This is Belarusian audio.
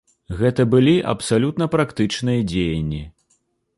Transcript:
Гэта былі абсалютна практычныя дзеянні.